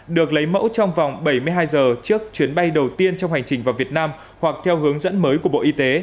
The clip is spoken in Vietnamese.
được lấy mẫu trong vòng bảy mươi hai giờ trước chuyến bay đầu tiên trong hành trình vào việt nam hoặc theo hướng dẫn mới của bộ y tế